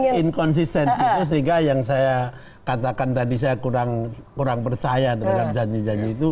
tapi inkonsistensi itu sehingga yang saya katakan tadi saya kurang percaya terhadap janji janji itu